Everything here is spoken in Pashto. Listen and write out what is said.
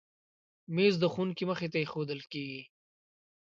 مېز د ښوونکي مخې ته ایښودل کېږي.